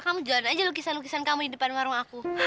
kamu jualan aja lukisan lukisan kamu di depan warung aku